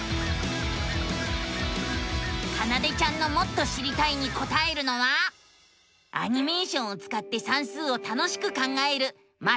かなでちゃんのもっと知りたいにこたえるのはアニメーションをつかって算数を楽しく考える「マテマティカ２」。